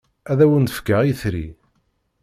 Ad awen-d-fkeɣ itri.